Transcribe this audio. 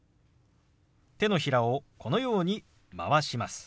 手のひらをこのように回します。